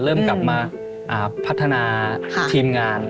เริ่มกลับมาพัฒนาทีมงาน